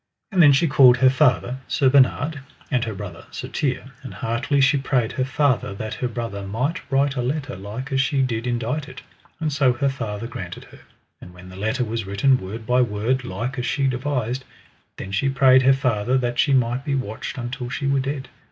And then she called her father, Sir Bernard, and her brother, Sir Tirre, and heartily she prayed her father that her brother might write a letter like as she did indite it: and so her father granted her. And when the letter was written word by word like as she devised, then she prayed her father that she might be watched until she were dead.